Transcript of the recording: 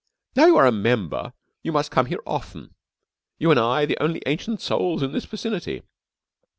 "Now you are a member you must come here often ... you and I, the only Ancient Souls in this vicinity